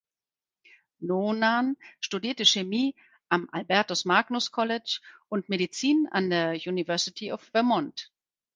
Noonan studierte Chemie am Albertus Magnus College und Medizin an der University of Vermont.